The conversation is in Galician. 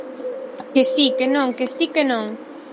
Que si, que non, que si, que non.